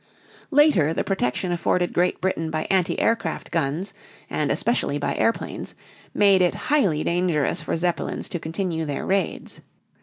Later the protection afforded Great Britain by anti aircraft guns and especially by airplanes, made it highly dangerous for Zeppelins to continue their raids.